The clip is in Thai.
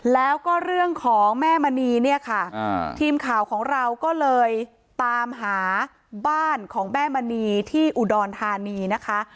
แล้วก็เรื่องของแม่มณีเนี่ยค่ะทีมข่าวของเราก็เลยตามหาบ้านของแม่มณีที่อุดรธานีนะคะ